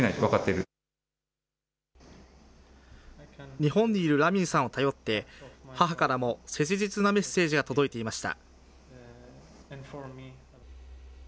日本にいるラミンさんを頼って、母からも切実なメッセージが届いていました。